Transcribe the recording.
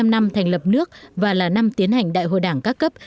bảy mươi năm năm thành lập nước và là năm tiến hành đại hội đảng các cấp